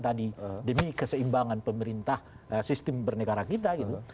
tadi demi keseimbangan pemerintah sistem bernegara kita gitu